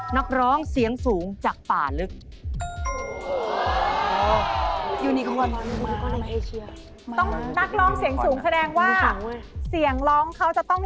นักร้องเสียงสูงจากป่าลึก